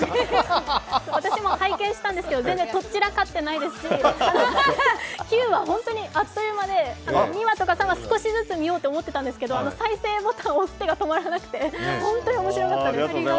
私も拝見したんですけど、全然とっちらかってないですし、９話、本当にあっという間で２話とか３話少しずつ見ようと思ったんですが再生ボタンを押す手がとまらなくて、本当に面白かったです。